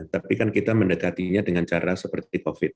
tapi kan kita mendekatinya dengan cara seperti covid